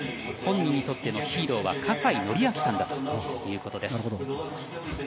本人にとってのヒーローは葛西紀明さんだということです。